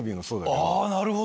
あなるほど！